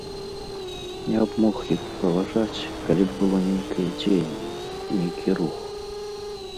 Я б мог іх паважаць, калі б было нейкае дзеянне, нейкі рух.